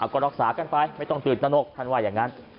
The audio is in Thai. ก็รักษากันไปไม่ต้องตื่นตนกท่านว่าอย่างนั้น